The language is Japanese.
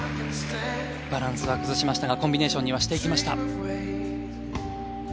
バランスは崩しましたがコンビネーションにはしていきました。